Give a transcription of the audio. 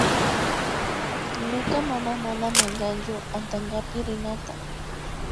Ñuka mama mana manchanchu antankapi rinata